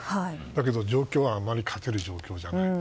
だけど、状況はあまり勝てる状況ではない。